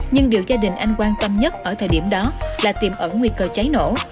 nhưng điều gia đình anh quan tâm nhất ở thời điểm đó là tiềm ẩn nguy cơ cháy nổ